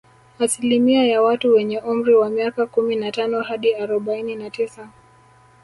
Asilimia ya watu wenye umri wa miaka kumi na tano hadi arobaini na tisa